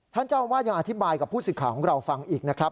ท่านเจ้าอาวาสยังอธิบายกับผู้สื่อข่าวของเราฟังอีกนะครับ